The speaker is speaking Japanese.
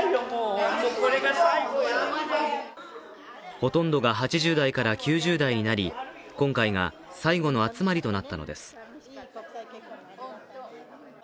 ほとんどが８０代から９０代になり、今回が最後の集まりとなったのです。